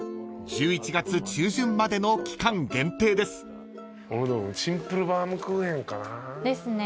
［１１月中旬までの期間限定です］ですね